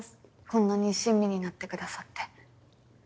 こんなに親身になってくださって。